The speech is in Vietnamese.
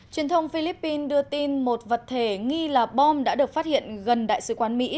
truyền thông philippines đưa tin một vật thể nghi là bom đã được phát hiện gần đại sứ quán mỹ